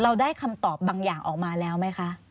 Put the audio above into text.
ได้คำตอบบางอย่างออกมาแล้วไหมคะ